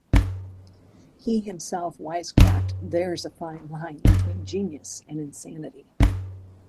He himself wisecracked There's a fine line between genius and insanity.